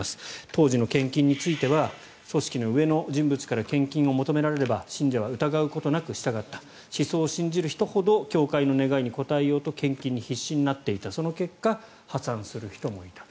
当時の献金については組織の上の人物から献金を求められれば信者は疑うことなく従った思想を信じる人ほど教会の願いに応えようと献金に必死になっていたその結果、破産する人もいた。